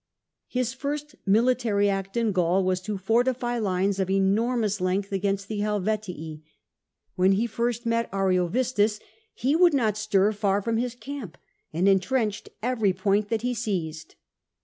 His first milfiary act in Gaul was to fortify lines of enormous length against the Helvetii. When he first met Ariovistus ho would not stir far from his camp, and entrenched every point that he seized.